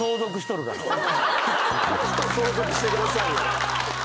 ホスト相続してくださいよ。